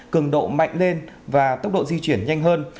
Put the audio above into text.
cường độ mạnh lên và tốc độ di chuyển nhanh hơn